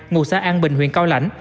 ngụ xã an bình huyện cao lãnh